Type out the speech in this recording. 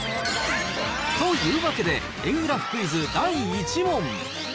というわけで、円グラフクイズ第１問。